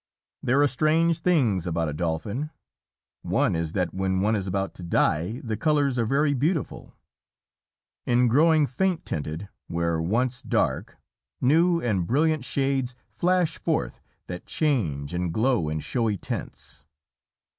There are strange things about a Dolphin. One is that when one is about to die, the colors are very beautiful. In growing faint tinted where once dark, new and brilliant shades flash forth that change and glow in showy tints.